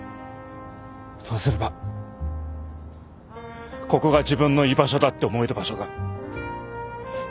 そうすればここが自分の居場所だって思える場所が必ず見つかる。